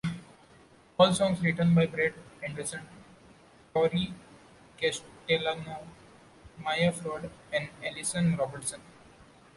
All songs written by Brett Anderson, Torry Castellano, Maya Ford and Allison Robertson.